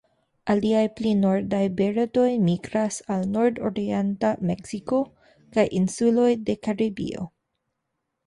Aliaj pli nordaj birdoj migras al nordorienta Meksiko kaj insuloj de Karibio.